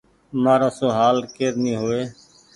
مآر آسو هآل ڪير ني هووي۔